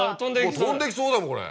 もう飛んでいきそうだもんこれ。